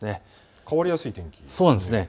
変わりやすい天気ですね。